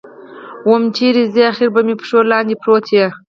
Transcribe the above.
ويم چېرې ځې اخېر به مې پښو لاندې پروت يې.